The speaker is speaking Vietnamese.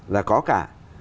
là có cả